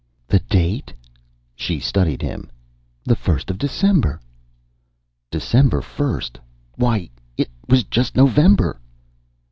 "The date?" She studied him. "The first of December." "December first! Why, it was just November!"